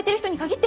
って。